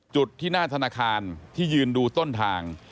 จุดที่หน้าธนาคารที่ยืนดูต้นทาง